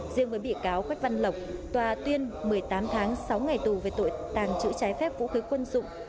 riêng với bị cáo quách văn lộc tòa tuyên một mươi tám tháng sáu ngày tù về tội tàng trữ trái phép vũ khí quân dụng